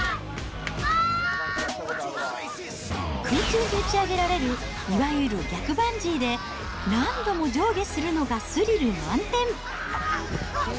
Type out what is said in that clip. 空中に打ち上げられるいわゆる逆バンジーで、何度も上下するのがスリル満点。